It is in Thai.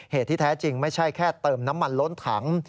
เหตุที่แท้จริงไม่ใช่แค่เติมน้ำมันล้นถัง